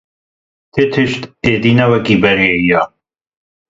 Ti tişt êdî ne wekî berê ye.